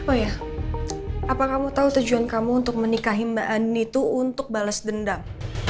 apa ya apa kamu tahu tujuan kamu untuk menikahi mbak ani itu untuk balas dendam